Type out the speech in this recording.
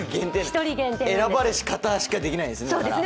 選ばれし方しかできないんですね。